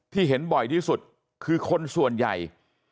เห็นบ่อยที่สุดคือคนส่วนใหญ่